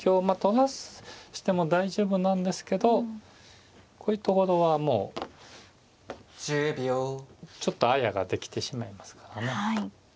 まあ取らしても大丈夫なんですけどこういうところはもうちょっとあやができてしまいますからね。